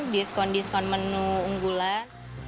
diskon diskon menu unggulan